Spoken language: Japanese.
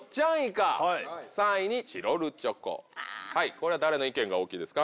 これは誰の意見が大きいですか？